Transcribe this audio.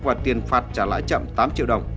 và tiền phạt trả lãi chậm tám triệu đồng